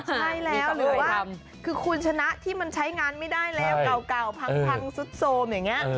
ครับหรือว่าคือคุณชนะที่มันใช้งานไม่ได้แล้วกล่าวพังซุดโซมอย่างนี้